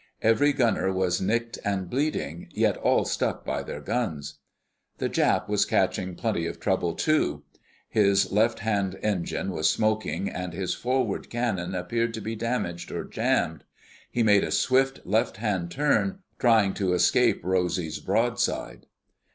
Every gunner was nicked and bleeding, yet all stuck by their guns. The Jap was catching plenty of trouble, too. His left hand engine was smoking, and his forward cannon appeared to be damaged or jammed. He made a swift, left hand turn, trying to escape Rosy's broadside.